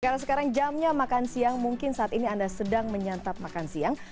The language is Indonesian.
kalau sekarang jamnya makan siang mungkin saat ini anda sedang menyantap makan siang